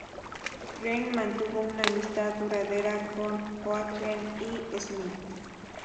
Green mantuvo una amistad duradera con Oakley y Smith.